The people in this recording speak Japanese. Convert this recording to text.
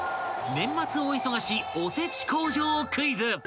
［年末大忙しおせち工場クイズ］